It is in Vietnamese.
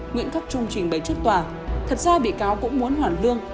nguyễn cấp trung trình bấy trước tòa thật ra bị cáo cũng muốn hoàn lương